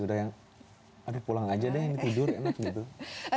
udah pulang aja deh ini tidur enak gitu